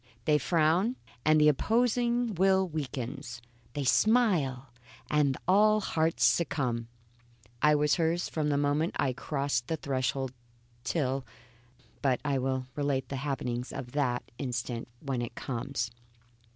They frown, and the opposing will weakens; they smile, and all hearts succumb. I was hers from the moment I crossed the threshold till But I will relate the happenings of that instant when it comes.